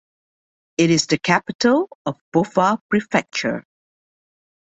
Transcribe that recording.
It is the capital of Boffa Prefecture.